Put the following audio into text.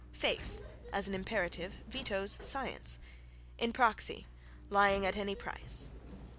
"Faith," as an imperative, vetoes science—in praxi, lying at any price....